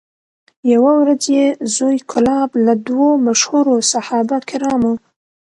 یوه ورځ یې زوی کلاب له دوو مشهورو صحابه کرامو